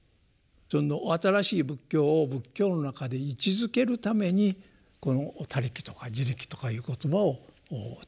その新しい仏教を仏教の中で位置づけるためにこの「他力」とか「自力」とかいう言葉を使われ始めたんですね。